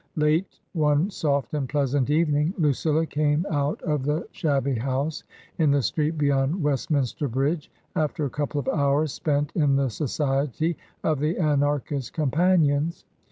Late one soft and pleasant evening, Lucilla came out of the shabby house in the street beyond Westminster Bridge, after a couple of hours spent in the society of the Anarchist companions.